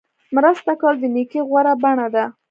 مرسته کول د نیکۍ غوره بڼه ده.